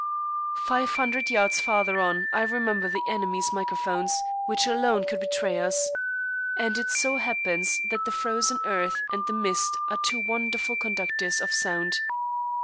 Five hundred yards farther on I remember the enemy's microphones, which alone could betray us; and it so happens that the frozen earth and the mist are two wonderful conductors of sound.